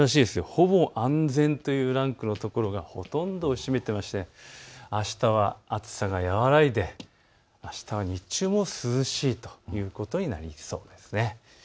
ほぼ安全というランクがほとんどを占めていましてあしたは暑さが和らいであしたは日中も涼しいということになりそうです。